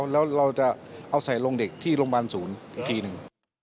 แล้วเราจะเอาใส่ลงเด็กที่โรงพยาบาลศูนย์อีกทีหนึ่ง